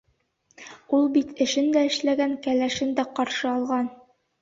Ул бит эшен дә эшләгән, кәләшен дә ҡаршы алған.